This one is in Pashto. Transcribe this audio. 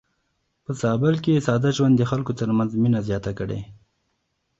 په زابل کې ساده ژوند د خلکو ترمنځ مينه زياته کړې.